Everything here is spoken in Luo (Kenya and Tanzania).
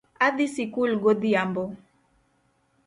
Adhi sikul godhiambo